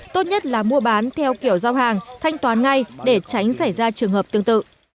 tốt nhất là mua bán theo kiểu giao hàng thanh toán ngay để tránh xảy ra trường hợp tương tự